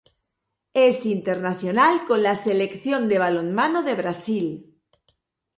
Es internacional con la selección de balonmano de Brasil.